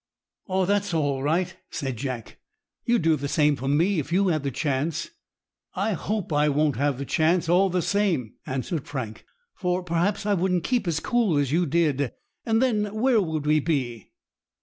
"Oh, that's all right!" said Jack. "You'd do the same for me if you had the chance." "I hope I won't have the chance, all the same," answered Frank, "for perhaps I wouldn't keep as cool as you did; and then where would we be?"